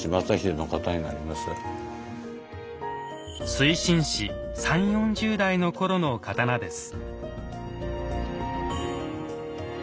水心子３０４０代の頃の刀です。